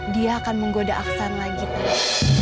dia akan menggoda aksan lagi tuh